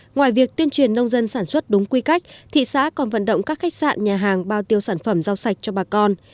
ngoài việc tuyên truyền nông dân sản xuất đúng quy cách thị xã còn vận động các khách sạn nhà hàng bao tiêu sản phẩm rau sạch cho bà con